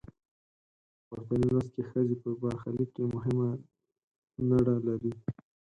په پورتني لوست کې ښځې په برخلیک کې مهمه نډه لري.